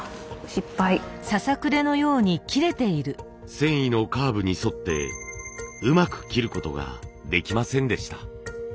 繊維のカーブに沿って上手く切ることができませんでした。